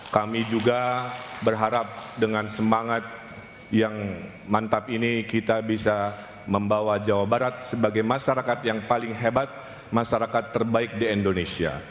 kami juga berharap dengan semangat yang mantap ini kita bisa membawa jawa barat sebagai masyarakat yang paling hebat masyarakat terbaik di indonesia